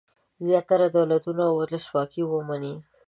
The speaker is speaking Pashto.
زیاتره دولتونه ولسواکي ومني.